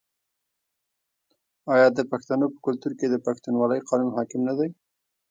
آیا د پښتنو په کلتور کې د پښتونولۍ قانون حاکم نه دی؟